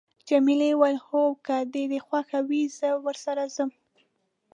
جميلې وويل: هو، که د ده خوښه وي، زه ورسره ځم.